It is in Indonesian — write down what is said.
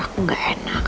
aku gak enak